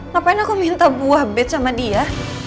ngapain aku minta buah bet sama dia